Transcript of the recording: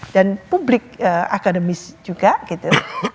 dan publik akademis juga gitu